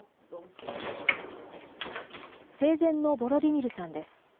生前のボロディミルさんです。